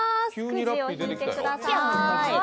くじを引いてください。